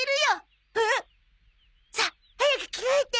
えっ！？さあ早く着替えて！